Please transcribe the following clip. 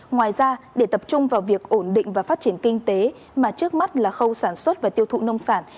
ngoài ra để tập trung vào việc ổn định và phát triển kinh tế mà trước mắt là khâu sản xuất và tiêu thụ nông sản